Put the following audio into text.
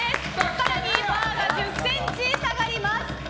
更にバーが１０ｃｍ下がります。